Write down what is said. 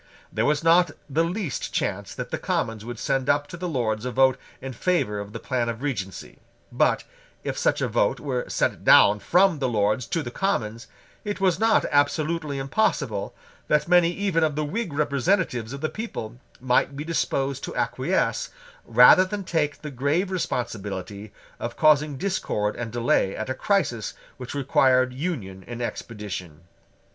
There was not the least chance that the Commons would send up to the Lords a vote in favour of the plan of Regency: but, if such a vote were sent down from the Lords to the Commons, it was not absolutely impossible that many even of the Whig representatives of the people might be disposed to acquiesce rather than take the grave responsibility of causing discord and delay at a crisis which required union and expedition.